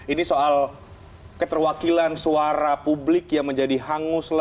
ini soal keterwakilan suara publik yang menjadi hangus